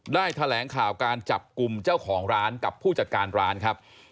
แถลงข่าวการจับกลุ่มเจ้าของร้านกับผู้จัดการร้านครับ